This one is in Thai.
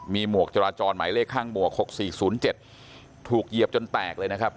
มีหมวกจราจรหมายเลขห้างหมวกหกสี่ศูนย์เจ็ดถูกเยียบจนแตกเลยนะครับ